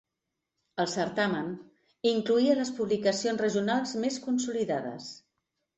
El certamen incloïa les publicacions regionals més consolidades.